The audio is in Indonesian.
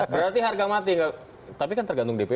berarti harga mati tapi kan tergantung dpd